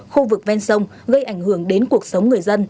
khu vực ven sông gây ảnh hưởng đến cuộc sống người dân